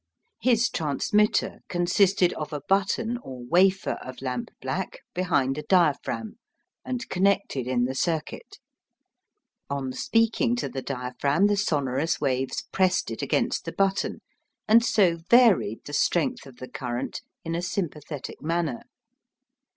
His transmitter consisted of a button or wafer of lamp black behind a diaphragm, and connected in the circuit. On speaking to the diaphragm the sonorous waves pressed it against the button, and so varied the strength of the current in a sympathetic manner.